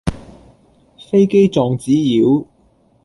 飛機撞紙鳶